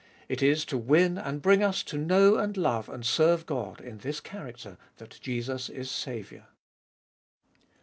It is to win and bring us to know and love and serve God in this character that Jesus is Saviour.